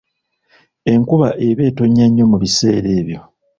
Enkuba eba etonnya nnyo mu biseera ebyo.